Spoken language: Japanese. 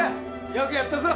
よくやったぞ！